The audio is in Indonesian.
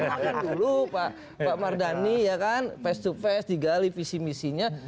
kenalkan dulu pak mardhani ya kan face to face digali visi visinya